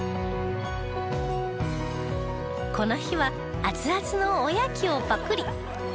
この日は熱々のおやきをパクリ。